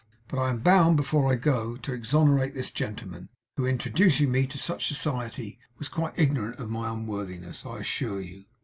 But I am bound, before I go, to exonerate this gentleman, who, in introducing me to such society, was quite ignorant of my unworthiness, I assure you.